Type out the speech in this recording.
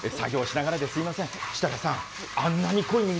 作業しながらですみません。